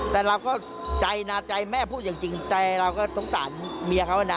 แต่เราก็ใจนะใจแม่พูดอย่างจริงใจเราก็สงสารเมียเขานะ